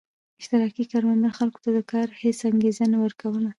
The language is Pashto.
اشتراکي کروندو خلکو ته د کار هېڅ انګېزه نه ورکوله